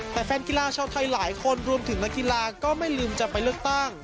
แต่แฟนกีฬาชาวไทยหลายคนรวมถึงนักกีฬาก็ไม่ลืมจะไปเลือกตั้ง